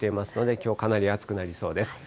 きょうかなり暑くなりそうです。